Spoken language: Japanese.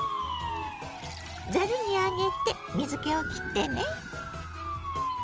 ざるに上げて水けをきってね。